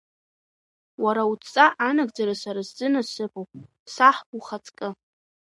Уара удҵа анагӡара сара сзы насыԥуп, саҳ ухаҵкы.